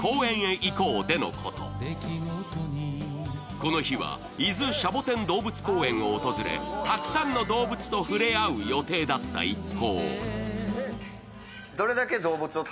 この日は伊豆シャボテン動物公園を訪れたくさんの動物と触れ合う予定だった一行。